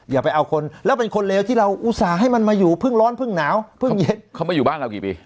อย่าไปเอาคนแล้วเป็นคนเลวที่เราอุตส่าห์ให้มันมาอยู่เพิ่งร้อนเพิ่งหนาวเพิ่งเย็นเขามาอยู่บ้านเรากี่ปี